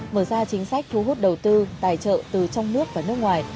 mở ra chính sách thu hút đầu tư tài trợ từ trong nước và nước ngoài